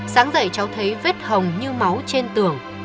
sáng dậy cháu thấy vết hồng như máu trên tường